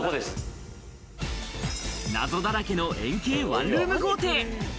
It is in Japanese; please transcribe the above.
謎だらけの円形ワンルーム豪邸。